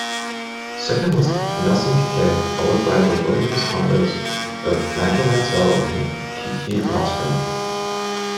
Second was Nelson Piquet, followed by the Williams-Hondas of Nigel Mansell and Keke Rosberg.